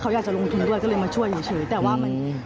เขาหลุมมาจากชั้นไหน